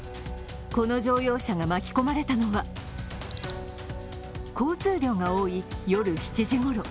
この乗用車が巻き込まれたのは、交通量が多い夜７時ごろ。